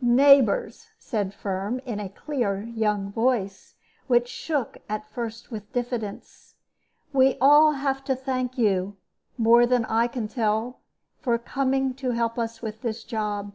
"Neighbors," said Firm, in a clear young voice, which shook at first with diffidence, "we all have to thank you, more than I can tell, for coming to help us with this job.